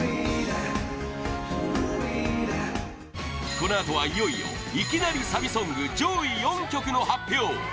このあとは、いよいよいきなりサビソング上位４曲の発表！